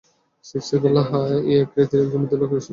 স্ত্রী বলল, হ্যাঁ, এই এই আকৃতির একজন বৃদ্ধ লোক এসেছিলেন।